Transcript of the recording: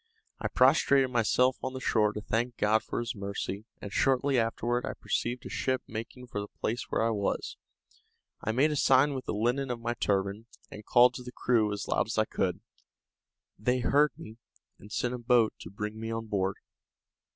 I prostrated myself on the shore to thank God for this mercy, and shortly afterward I perceived a ship making for the place where I was. I made a sign with the linen of my turban, and called to the crew as loud as I could. They heard me, and sent a boat to bring me on board.